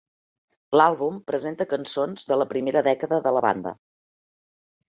L"àlbum presenta cançons de la primera dècada de la banda.